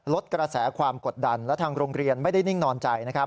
ลดกระแสความกดดันและทางโรงเรียนไม่ได้นิ่งนอนใจนะครับ